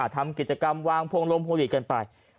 ทำกิจกรรมวางพวงลมพวงหลีกันไป